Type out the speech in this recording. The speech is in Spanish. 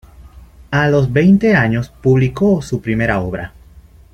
A los veinte años publicó su primera obra.